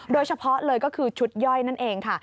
โดยเฉพาะเลยก็คือชุดย่อยนั่นเองค่ะ